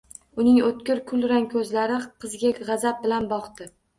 Uning o`tkir kulrang ko`zlari qizga g`azab bilan boqdi